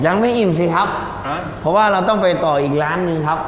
ยังไม่อิ่มสิครับเพราะว่าเราต้องไปต่ออีกร้านหนึ่งครับ